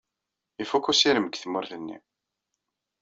Ifukk usirem deg tmurt-nni.